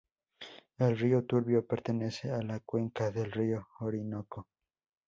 El río Turbio pertenece a la cuenca del río Orinoco.